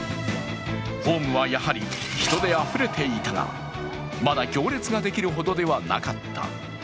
ホームはやはり人であふれていたが、まだ行列ができるほどではなかった。